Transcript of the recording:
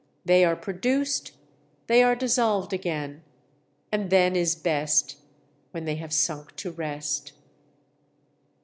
They are produced, they are dissolved again, And then is best, when they have sunk to rest!"